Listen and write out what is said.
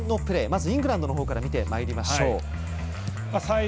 まずイングランドの方から見てまいりましょう。